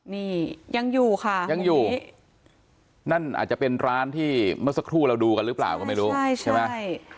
นี่ยังอยู่ค่ะยังอยู่นั่นอาจจะเป็นร้านที่เมื่อสักครู่เราดูกันหรือเปล่าก็ไม่รู้ใช่ไหมใช่